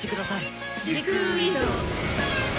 時空移動。